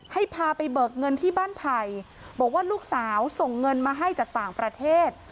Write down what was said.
ให้พาไปเบิกเงินที่บ้านไทยบอกว่าลูกสาวส่งเงินมาให้จากต่างประเทศ